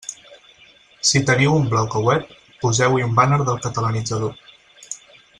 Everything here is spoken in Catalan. Si teniu un bloc o web, poseu-hi un bàner del Catalanitzador.